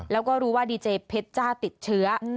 แล้วก็รู้ว่าดีเจเพชรจ้าติดเชื้อ